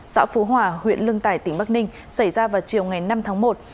xã phú hòa huyện lương tài tỉnh bắc ninh xảy ra vào chiều ngày năm tháng một